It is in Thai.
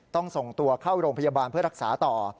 ต้องส่งตัวเข้าโรงพยาบาลเพื่อรักษาต่อ